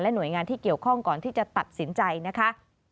หน่วยงานที่เกี่ยวข้องก่อนที่จะตัดสินใจนะคะ